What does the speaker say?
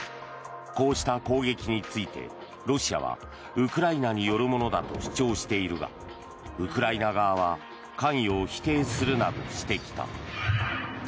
こうした攻撃についてロシアはウクライナによるものだと主張しているがウクライナ側は関与を否定するなどしてきた。